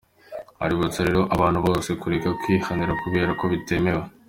Aributsa rero abantu bose kureka kwihanira kubera ko bitemewe.